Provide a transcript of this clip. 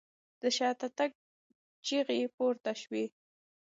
د شاته تګ چيغې پورته شوې.